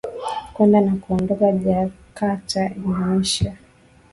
kwenda na kuondoka jarkata indonesia